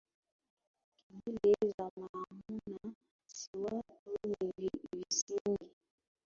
Kelele za maamuna, si watu ni visinge,